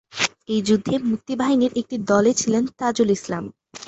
এই যুদ্ধে মুক্তিবাহিনীর একটি দলে ছিলেন তাজুল ইসলাম।